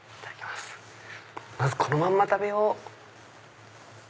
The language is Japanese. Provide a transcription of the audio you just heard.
まずこのまんま食べよう。